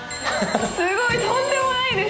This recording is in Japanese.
すごいとんでもないですね。